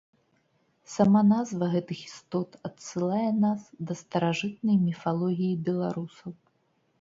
Сама назва гэтых істот адсылае нас да старажытнай міфалогіі беларусаў.